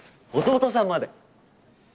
弟さんまで。